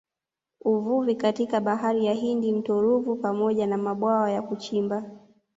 Uvuvi katika Bahari ya Hindi mto Ruvu pamoja na mabwawa ya kuchimba